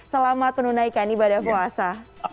selamat menunaikan ibadah puasa